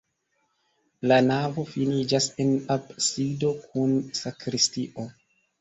La navo finiĝas en absido kun sakristio.